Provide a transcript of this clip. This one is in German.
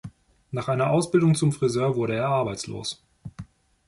Nach einer Ausbildung zum Friseur wurde er arbeitslos.